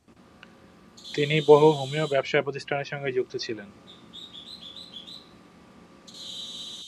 তিনি বহু হোমিও ব্যবসায়-প্রতিষ্ঠানের সঙ্গে যুক্ত ছিলেন।